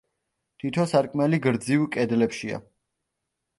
თითო სარკმელი გრძივ კედლებშია.